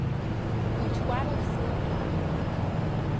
Мыч кәарак сылам уаҳа!